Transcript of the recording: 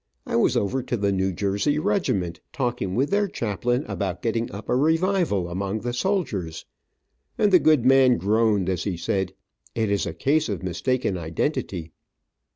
I was over to the New Jersey regiment, talking with their chaplain about getting up a revival, among the soldiers," and the good man groaned as he said, "it is a case of mistaken identity."